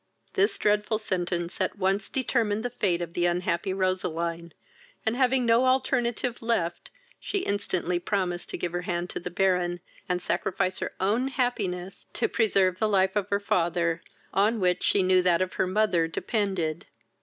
This dreadful sentence at once determined the fate of the unhappy Roseline, and, having no alternative left, she instantly promised to give her hand to the Baron, and sacrifice her own happiness to preserve the life of her father, on which she knew that of her mother depended.